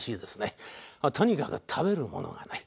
とにかく食べるものがない。